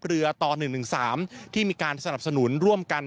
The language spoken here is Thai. เรือต่อ๑๑๓ที่มีการสนับสนุนร่วมกัน